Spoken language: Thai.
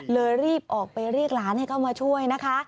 รีบออกไปเรียกหลานให้เข้ามาช่วยนะคะ